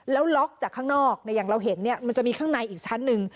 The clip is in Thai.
แล้วล็อกจากข้างนอกอย่างเราเห็นมันจะมีข้างในอีกชั้นหนึ่ง